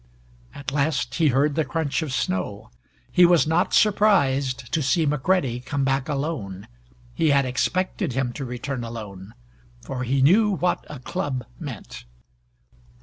At last he heard the crunch of snow. He was not surprised to see McCready come back alone. He had expected him to return alone. For he knew what a club meant!